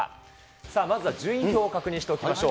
さあまずは順位表を確認しておきましょう。